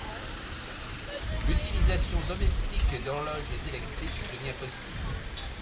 L'utilisation domestique d'horloges électriques devient possible.